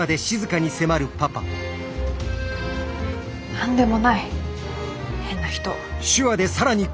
何でもない変な人。